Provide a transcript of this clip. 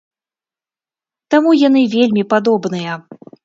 Таму яны вельмі падобныя.